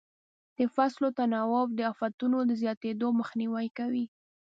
د فصلو تناوب د افتونو د زیاتېدو مخنیوی کوي.